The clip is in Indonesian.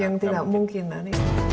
yang tidak mungkin